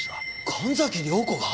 神崎涼子が？